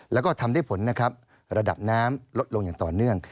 แล้วก็ทำได้ผลนะครับระดับน้ำลดลงอย่างต่อเนื่อง